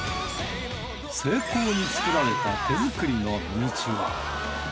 精巧に作られた手作りのミニチュア。